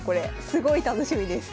すごい楽しみです。